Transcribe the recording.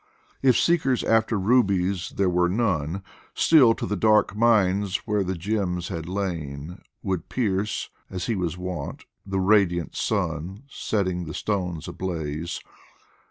If seekers after rubies there were none, Still to the dark mines where the gems had lain Would pierce, as he was wont, the radiant sun, Setting the stones ablaze.